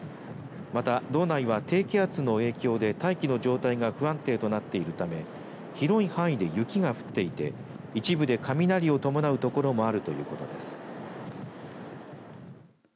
また、道内は低気圧の影響で大気の状態が不安定となっているため広い範囲で雪が降っていて一部で雷を伴う所もあるということです。